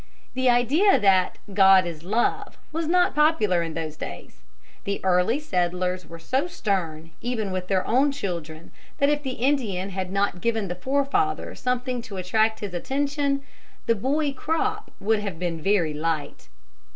The idea that "God is love" was not popular in those days. The early settlers were so stern even with their own children that if the Indian had not given the forefather something to attract his attention, the boy crop would have been very light.